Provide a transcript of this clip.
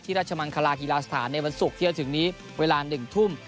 ราชมังคลาฮีลาสถานในวันศุกร์ที่จะถึงนี้เวลา๑ทุ่ม